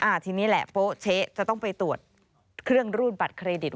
ทีนี้แหละโป๊เช๊ะจะต้องไปตรวจเครื่องรูดบัตรเครดิต